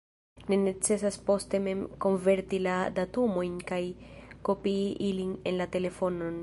Ne necesas poste mem konverti la datumojn kaj kopii ilin en la telefonon.